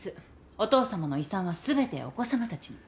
お父さまの遺産は全てお子さまたちに。